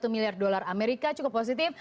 satu miliar dolar amerika cukup positif